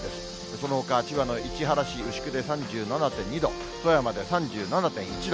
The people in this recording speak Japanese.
そのほか千葉の市原市牛久で３７．２度、富山で３７．１度。